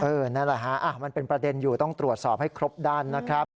นั่นแหละฮะมันเป็นประเด็นอยู่ต้องตรวจสอบให้ครบด้านนะครับ